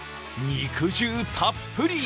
肉汁たっぷり！